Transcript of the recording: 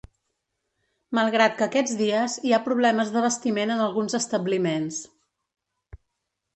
Malgrat que aquests dies hi ha problemes d’abastiment en alguns establiments.